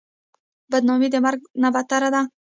بدنامي د مرګ نه بدتره ده.